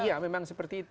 ya memang seperti itu